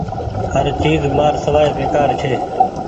هر چئيز مآر سوائي بيڪآر ڇي۔